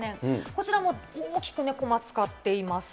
こちらも大きくコマ使っています。